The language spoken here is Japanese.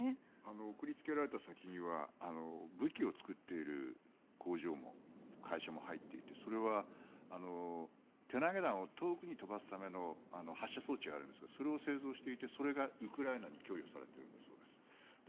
送りつけられた先には武器を作っている工場も会社も入っていてそれは手投げ弾を遠くに飛ばすための発射装置があるんですがそれを製造していてそれがウクライナに供与されているんだそうです。